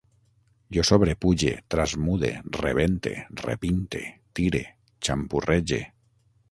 Jo sobrepuge, trasmude, rebente, repinte, tire, xampurrege